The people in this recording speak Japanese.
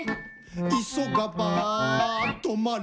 「いそがばとまれ」